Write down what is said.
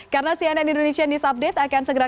karena cnn indonesia news update akan segera